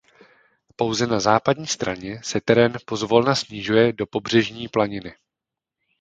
Pouze na západní straně se terén pozvolna snižuje do pobřežní planiny.